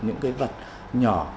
những cái vật nhỏ